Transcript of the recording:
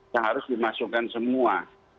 yang harus dimasukkan semua